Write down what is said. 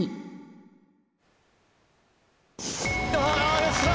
あよっしゃ！